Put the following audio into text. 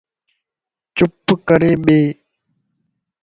چپ ڪري ٻي